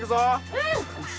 うん。